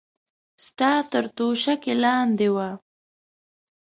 ستا تر توشکې لاندې وه.